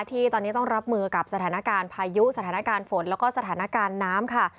ที่ตอนนี้ต้องรับมือกับสถานการณ์พายุสถานการณ์ฝนแล้วก็สถานการณ์น้ำค่ะ